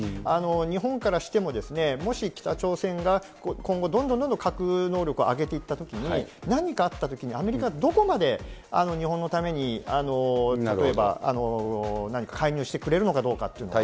日本からしても、もし北朝鮮が今後、どんどんどんどん核能力を上げていったときに、何かあったときに、アメリカはどこまで日本のために例えば、何か介入してくれるのかどうかっていうのは。